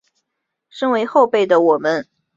身为后辈的我们